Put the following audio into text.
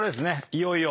いよいよ。